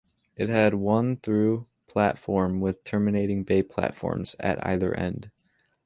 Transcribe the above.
It had one through platform with terminating bay platforms at either end.